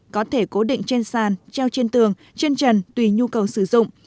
có thể cố định trên sàn treo trên tường trên trần tùy nhu cầu sử dụng